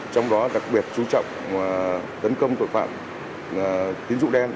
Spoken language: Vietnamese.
trong đó đặc biệt chú trọng tấn công tội phạm tín dụng đen